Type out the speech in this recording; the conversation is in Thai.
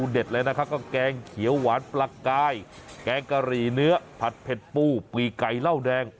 เลยนะครับก็แกงเขียวหวานปลากายแกงกะหรี่เนื้อผัดเผ็ดปูปีไก่เหล้าแดง